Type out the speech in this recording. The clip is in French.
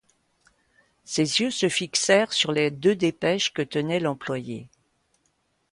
Ses yeux se fixèrent sur les deux dépêches que tenait l'employé.